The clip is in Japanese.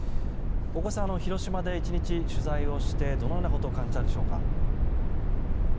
大越さん、広島で１日取材をしてどのようなことを感じたでしょうか。